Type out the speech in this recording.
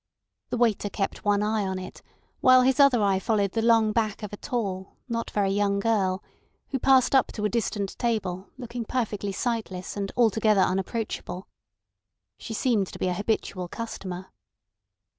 The waiter kept one eye on it, while his other eye followed the long back of a tall, not very young girl, who passed up to a distant table looking perfectly sightless and altogether unapproachable. She seemed to be a habitual customer.